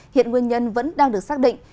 hiện nguyên nhân vẫn đang được xác định